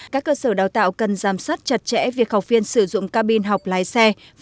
các cơ sở đào tạo cần giám sát chặt chẽ việc học viên sử dụng cabin học lái xe